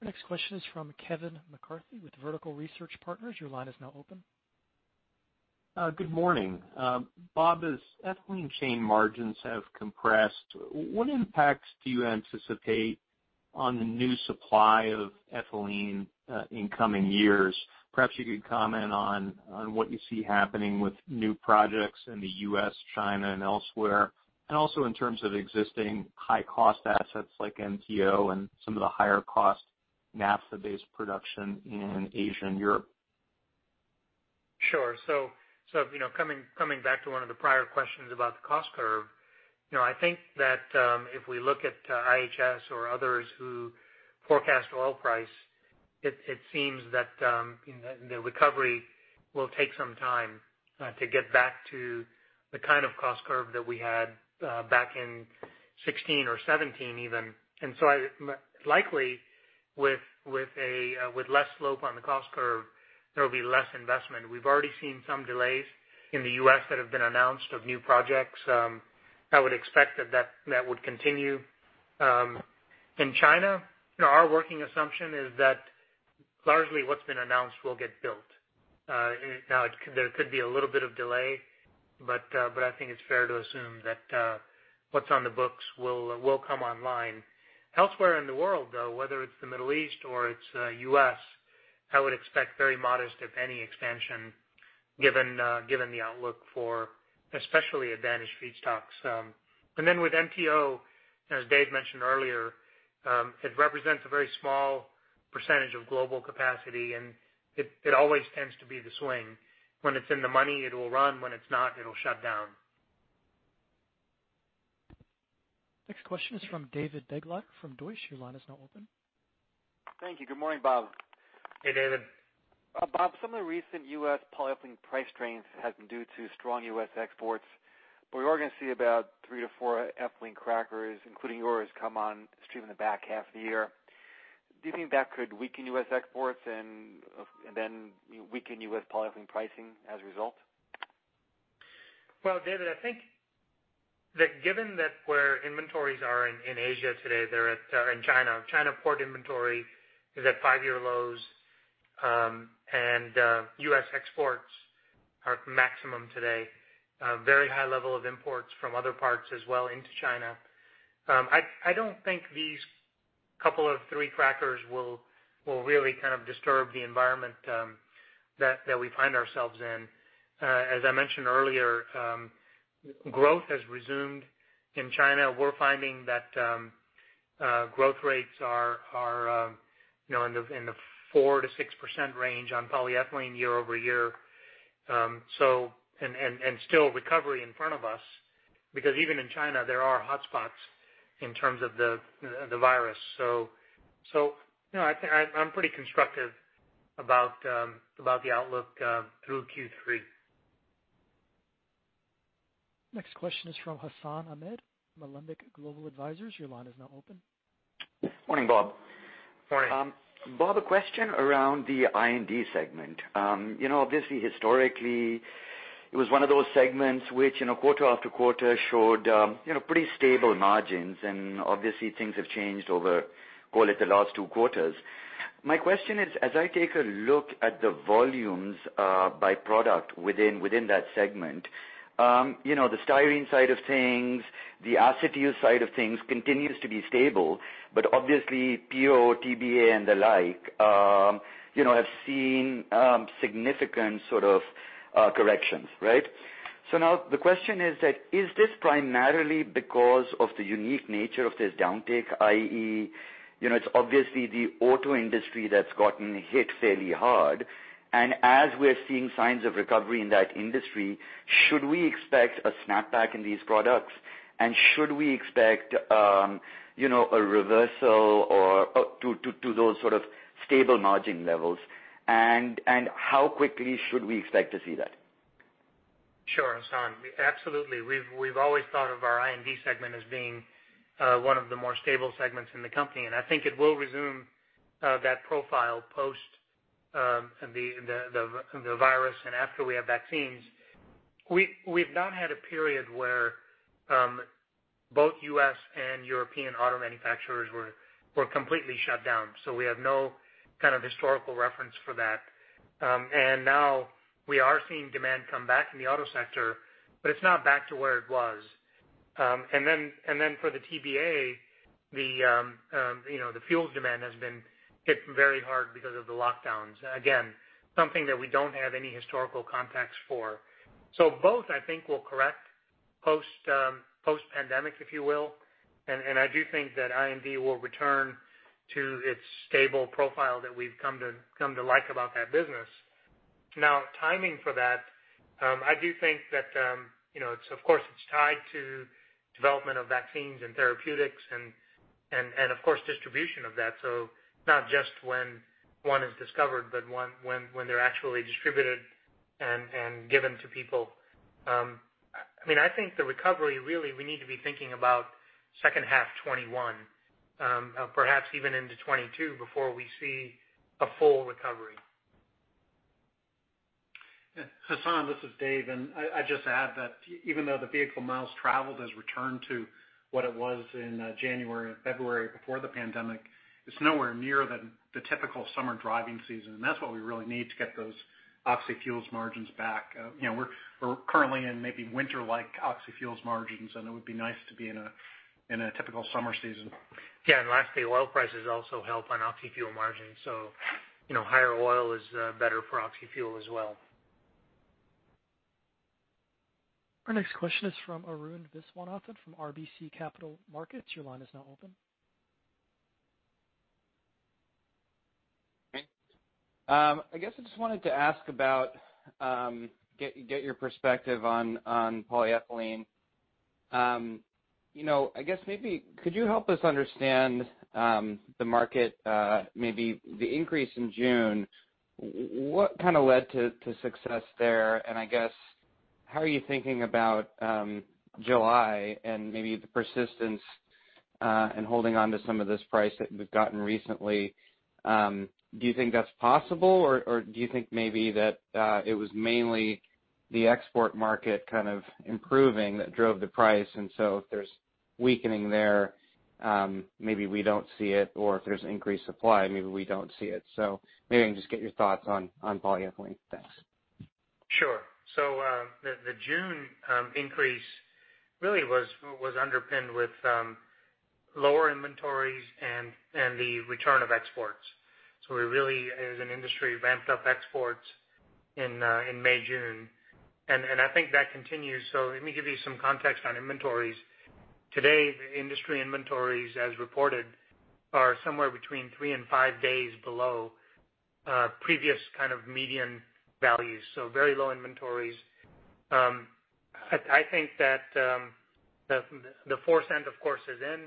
Speaker 1: Our next question is from Kevin McCarthy with Vertical Research Partners. Your line is now open.
Speaker 11: Good morning. Bob, as ethylene chain margins have compressed, what impacts do you anticipate on the new supply of ethylene in coming years? Perhaps you could comment on what you see happening with new projects in the U.S., China, and elsewhere. Also in terms of existing high-cost assets like MTO and some of the higher-cost naphtha-based production in Asia and Europe.
Speaker 3: Sure. Coming back to one of the prior questions about the cost curve. I think that if we look at IHS or others who forecast oil price, it seems that the recovery will take some time to get back to the kind of cost curve that we had back in 2016 or 2017 even. Likely with less slope on the cost curve, there will be less investment. We've already seen some delays in the U.S. that have been announced of new projects. I would expect that that would continue. In China, our working assumption is that largely what's been announced will get built. There could be a little bit of delay, but I think it's fair to assume that what's on the books will come online. Elsewhere in the world, though, whether it's the Middle East or it's U.S., I would expect very modest, if any expansion, given the outlook for especially advantaged feedstocks. With MTO, as Dave mentioned earlier, it represents a very small percentage of global capacity, and it always tends to be the swing. When it's in the money, it will run. When it's not, it'll shut down.
Speaker 1: Next question is from David Begleiter from Deutsche Bank. Your line is now open.
Speaker 12: Thank you. Good morning, Bob.
Speaker 3: Hey, David.
Speaker 12: Bob, some of the recent U.S. polyethylene price trends has been due to strong U.S. exports. We are going to see about three to four ethylene crackers, including yours, come on stream in the back half of the year. Do you think that could weaken U.S. exports and then weaken U.S. polyethylene pricing as a result?
Speaker 3: David, I think that given that where inventories are in Asia today, they're in China. China port inventory is at five-year lows. U.S. exports are maximum today. Very high level of imports from other parts as well into China. I don't think these couple of three crackers will really kind of disturb the environment that we find ourselves in. As I mentioned earlier, growth has resumed in China. We're finding that growth rates are in the 4%-6% range on polyethylene year-over-year. Still recovery in front of us, because even in China, there are hotspots in terms of the virus. I'm pretty constructive about the outlook through Q3.
Speaker 1: Next question is from Hassan Ahmed, Alembic Global Advisors. Your line is now open.
Speaker 13: Morning, Bob.
Speaker 3: Morning.
Speaker 13: Bob, a question around the I&D segment. Obviously, historically, it was one of those segments which quarter after quarter showed pretty stable margins, and obviously things have changed over, call it the last two quarters. My question is, as I take a look at the volumes by product within that segment. The styrene side of things, the acetyls side of things continues to be stable, but obviously PO, TBA, and the like have seen significant sort of corrections, right? Now the question is that, is this primarily because of the unique nature of this downtick, i.e., it's obviously the auto industry that's gotten hit fairly hard, and as we're seeing signs of recovery in that industry, should we expect a snapback in these products? Should we expect a reversal to those sort of stable margin levels? How quickly should we expect to see that?
Speaker 3: Sure, Hassan. Absolutely. We've always thought of our I&D segment as being one of the more stable segments in the company, and I think it will resume that profile post the virus and after we have vaccines. We've not had a period where both U.S. and European auto manufacturers were completely shut down, so we have no kind of historical reference for that. Now we are seeing demand come back in the auto sector, but it's not back to where it was. Then for the TBA, the fuels demand has been hit very hard because of the lockdowns. Again, something that we don't have any historical context for. Both, I think, will correct post pandemic, if you will. I do think that I&D will return to its stable profile that we've come to like about that business. Now, timing for that, I do think that of course it's tied to development of vaccines and therapeutics and of course, distribution of that. Not just when one is discovered, but when they're actually distributed and given to people. I think the recovery really we need to be thinking about second half 2021, perhaps even into 2022 before we see a full recovery.
Speaker 2: Hassan, this is Dave, and I'd just add that even though the vehicle miles traveled has returned to what it was in January and February before the pandemic, it's nowhere near the typical summer driving season. That's what we really need to get those oxy fuels margins back. We're currently in maybe winter-like oxy fuels margins, and it would be nice to be in a typical summer season.
Speaker 3: Yeah, lastly, oil prices also help on oxy fuel margins. Higher oil is better for oxy fuel as well.
Speaker 1: Our next question is from Arun Viswanathan from RBC Capital Markets. Your line is now open.
Speaker 14: I guess I just wanted to ask about, get your perspective on polyethylene. I guess maybe could you help us understand the market, maybe the increase in June? What kind of led to success there, and I guess how are you thinking about July and maybe the persistence and holding onto some of this price that we've gotten recently? Do you think that's possible, or do you think maybe that it was mainly the export market kind of improving that drove the price, and so if there's weakening there, maybe we don't see it, or if there's increased supply, maybe we don't see it? Maybe I can just get your thoughts on polyethylene. Thanks.
Speaker 3: The June increase really was underpinned with lower inventories and the return of exports. We really, as an industry, ramped up exports in May, June. I think that continues. Let me give you some context on inventories. Today, the industry inventories, as reported, are somewhere between three and five days below previous kind of median values. Very low inventories. I think that the $0.04 of course is in.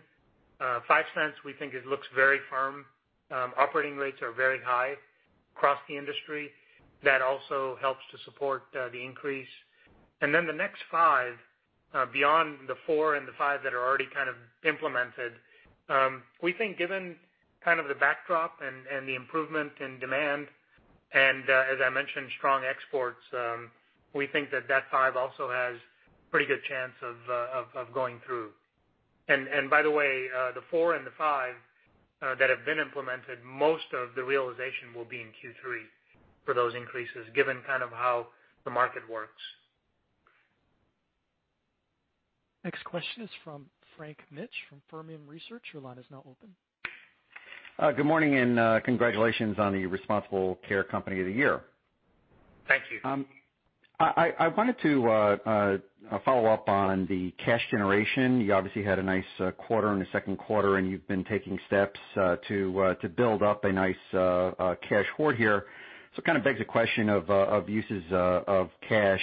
Speaker 3: $0.05 we think it looks very firm. Operating rates are very high across the industry. That also helps to support the increase. The next $0.05, beyond the $0.04 and the $0.05 that are already kind of implemented. We think given kind of the backdrop and the improvement in demand and, as I mentioned, strong exports, we think that that $0.05 also has pretty good chance of going through. By the way, the four and the five that have been implemented, most of the realization will be in Q3 for those increases, given kind of how the market works.
Speaker 1: Next question is from Frank Mitsch from Fermium Research. Your line is now open.
Speaker 15: Good morning. Congratulations on the Responsible Care Company of the Year.
Speaker 3: Thank you.
Speaker 15: I wanted to follow up on the cash generation. You obviously had a nice quarter in the second quarter, and you've been taking steps to build up a nice cash hoard here. It kind of begs the question of uses of cash.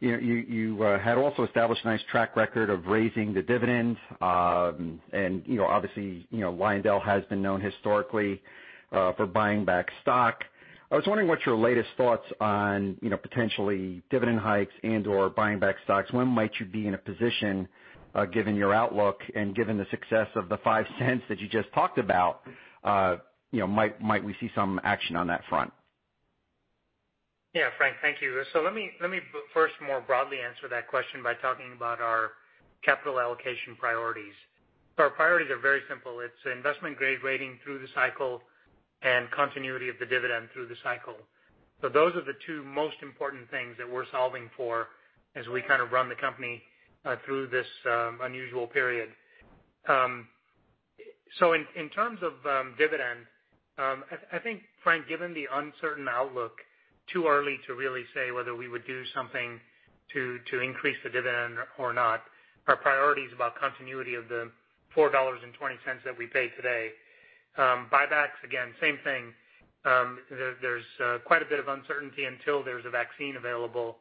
Speaker 15: You had also established a nice track record of raising the dividend, and obviously, Lyondell has been known historically for buying back stock. I was wondering what your latest thoughts on potentially dividend hikes and/or buying back stocks. When might you be in a position, given your outlook and given the success of the $0.05 that you just talked about, might we see some action on that front?
Speaker 3: Yeah, Frank, thank you. Let me first more broadly answer that question by talking about our capital allocation priorities. Our priorities are very simple. It's investment-grade rating through the cycle and continuity of the dividend through the cycle. Those are the two most important things that we're solving for as we kind of run the company through this unusual period. In terms of dividend, I think, Frank, given the uncertain outlook, too early to really say whether we would do something to increase the dividend or not. Our priority is about continuity of the $4.20 that we pay today. Buybacks, again, same thing. There's quite a bit of uncertainty until there's a vaccine available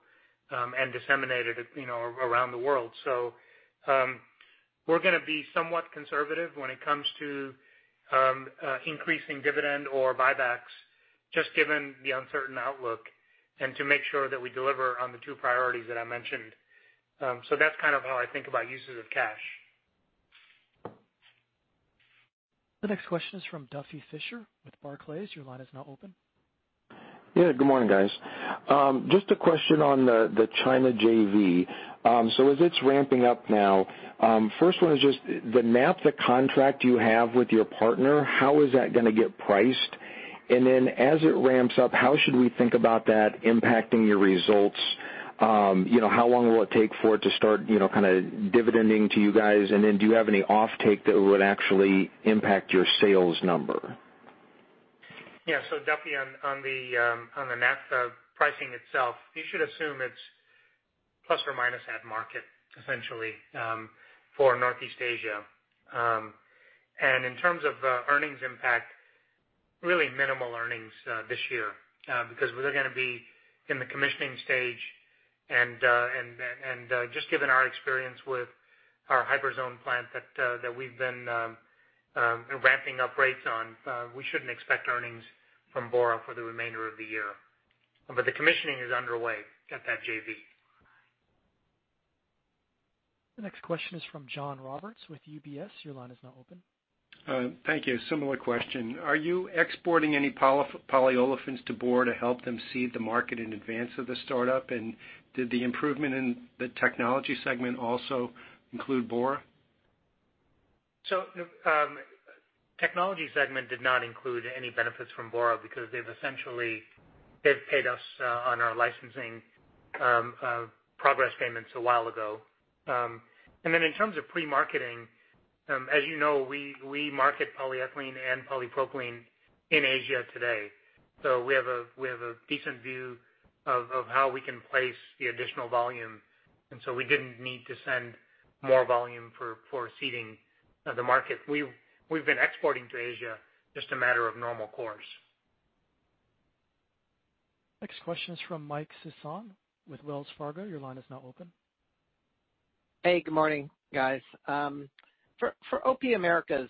Speaker 3: and disseminated around the world. We're going to be somewhat conservative when it comes to increasing dividend or buybacks, just given the uncertain outlook and to make sure that we deliver on the two priorities that I mentioned. That's kind of how I think about uses of cash.
Speaker 1: The next question is from Duffy Fischer with Barclays. Your line is now open.
Speaker 16: Good morning, guys. Just a question on the China JV. As it's ramping up now, first one is just the naphtha contract you have with your partner, how is that going to get priced? As it ramps up, how should we think about that impacting your results? How long will it take for it to start dividending to you guys? Do you have any offtake that would actually impact your sales number?
Speaker 3: Duffy, on the naphtha pricing itself, you should assume it's plus or minus at market, essentially, for Northeast Asia. In terms of earnings impact, really minimal earnings this year because we're going to be in the commissioning stage and just given our experience with our Hyperzone plant that we've been ramping up rates on, we shouldn't expect earnings from Bora for the remainder of the year. The commissioning is underway at that JV.
Speaker 1: The next question is from John Roberts with UBS. Your line is now open.
Speaker 17: Thank you. Similar question. Are you exporting any polyolefins to Bora to help them seed the market in advance of the startup? Did the improvement in the technology segment also include Bora?
Speaker 3: Technology segment did not include any benefits from Bora because they've essentially paid us on our licensing progress payments a while ago. In terms of pre-marketing, as you know, we market polyethylene and polypropylene in Asia today. We have a decent view of how we can place the additional volume, and so we didn't need to send more volume for seeding the market. We've been exporting to Asia, just a matter of normal course.
Speaker 1: Next question is from Mike Sison with Wells Fargo. Your line is now open.
Speaker 18: Hey, good morning, guys. For O&P-Americas,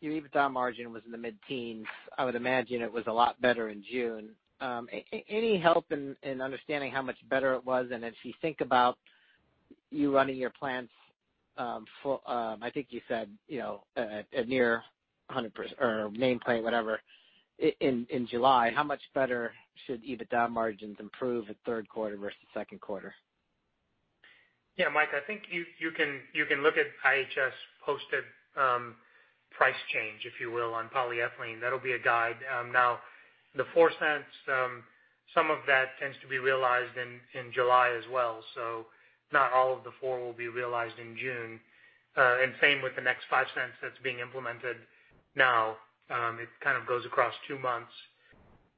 Speaker 18: your EBITDA margin was in the mid-teens. I would imagine it was a lot better in June. Any help in understanding how much better it was? As you think about you running your plants, I think you said at near 100% or main plant, whatever, in July, how much better should EBITDA margins improve at third quarter versus second quarter?
Speaker 3: Yeah, Mike, I think you can look at IHS posted price change, if you will, on polyethylene. That'll be a guide. The $0.04, some of that tends to be realized in July as well. Not all of the four will be realized in June. Same with the next $0.05 that's being implemented now. It kind of goes across two months.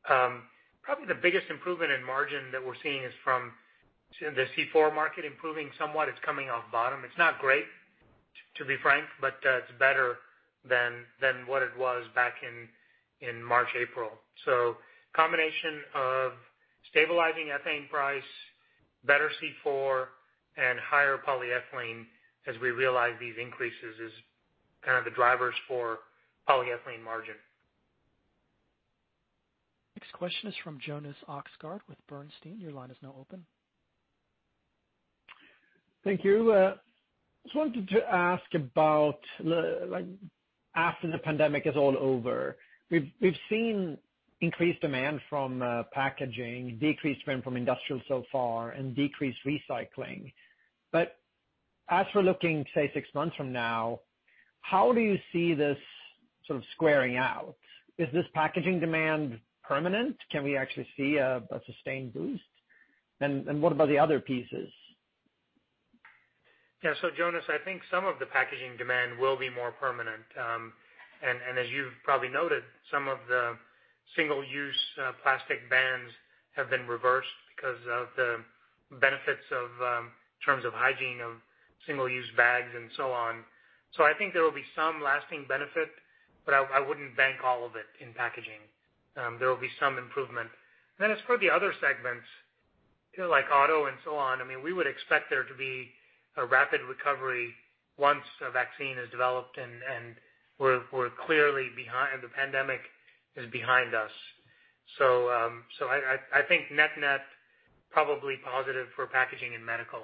Speaker 3: Probably the biggest improvement in margin that we're seeing is from the C4 market improving somewhat. It's coming off bottom. It's not great, to be frank, but it's better than what it was back in March, April. Combination of stabilizing ethane price, better C4, and higher polyethylene as we realize these increases is kind of the drivers for polyethylene margin.
Speaker 1: Next question is from Jonas Oxgaard with Bernstein. Your line is now open.
Speaker 19: Thank you. Just wanted to ask about after the pandemic is all over. We've seen increased demand from packaging, decreased demand from industrial so far, and decreased recycling. As we're looking, say, six months from now How do you see this sort of squaring out? Is this packaging demand permanent? Can we actually see a sustained boost? What about the other pieces?
Speaker 3: Jonas, I think some of the packaging demand will be more permanent. As you've probably noted, some of the single-use plastic bans have been reversed because of the benefits in terms of hygiene of single-use bags and so on. I think there will be some lasting benefit, but I wouldn't bank all of it in packaging. There will be some improvement. As for the other segments, like auto and so on, we would expect there to be a rapid recovery once a vaccine is developed and the pandemic is behind us. I think net-net, probably positive for packaging and medical.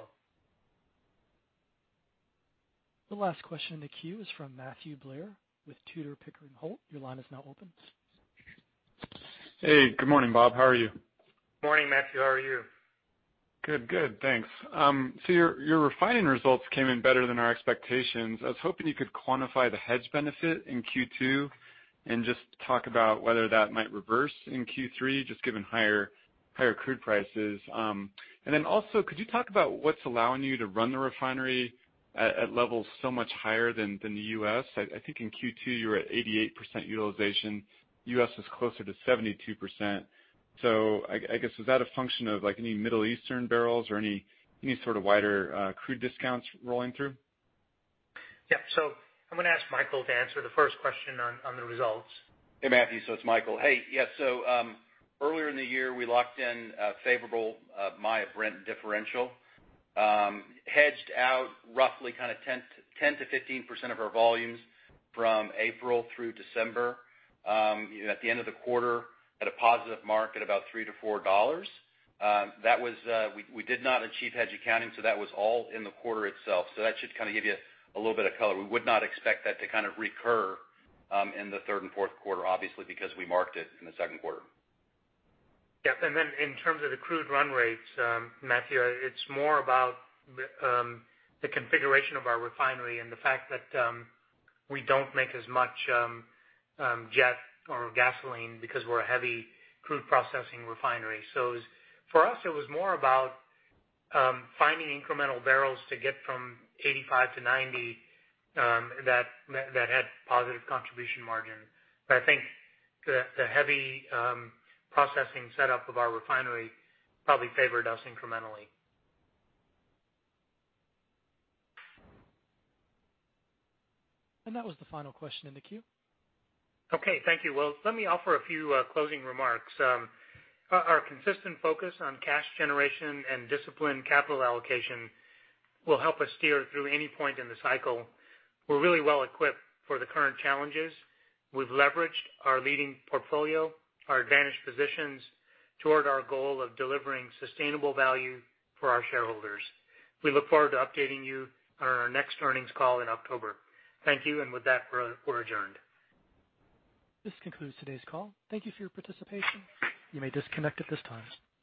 Speaker 1: The last question in the queue is from Matthew Blair with Tudor, Pickering, Holt. Your line is now open.
Speaker 20: Hey, good morning, Bob. How are you?
Speaker 3: Morning, Matthew. How are you?
Speaker 20: Your refining results came in better than our expectations. I was hoping you could quantify the hedge benefit in Q2 and just talk about whether that might reverse in Q3, just given higher crude prices. Could you talk about what's allowing you to run the refinery at levels so much higher than the U.S.? I think in Q2 you were at 88% utilization. U.S. is closer to 72%. I guess, is that a function of any Middle Eastern barrels or any sort of wider crude discounts rolling through?
Speaker 3: Yeah. I'm going to ask Michael to answer the first question on the results.
Speaker 4: Hey, Matthew, it's Michael. Hey. Yeah, earlier in the year we locked in a favorable Maya-Brent differential, hedged out roughly 10%-15% of our volumes from April through December. At the end of the quarter, had a positive mark at about $3-$4. We did not achieve hedge accounting, that was all in the quarter itself. That should kind of give you a little bit of color. We would not expect that to recur in the third and fourth quarter, obviously, because we marked it in the second quarter.
Speaker 3: Yeah. In terms of the crude run rates, Matthew, it's more about the configuration of our refinery and the fact that we don't make as much jet or gasoline because we're a heavy crude processing refinery. For us, it was more about finding incremental barrels to get from 85 to 90 that had positive contribution margin. I think the heavy processing setup of our refinery probably favored us incrementally.
Speaker 1: That was the final question in the queue.
Speaker 3: Okay, thank you. Well, let me offer a few closing remarks. Our consistent focus on cash generation and disciplined capital allocation will help us steer through any point in the cycle. We're really well equipped for the current challenges. We've leveraged our leading portfolio, our advantage positions toward our goal of delivering sustainable value for our shareholders. We look forward to updating you on our next earnings call in October. Thank you, and with that, we're adjourned.
Speaker 1: This concludes today's call. Thank you for your participation. You may disconnect at this time.